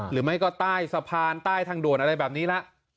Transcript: หรือไม่ก็ใต้สะพานใต้ทางด่วนอะไรแบบนี้ละ